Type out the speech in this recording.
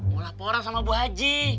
mau laporan sama bu haji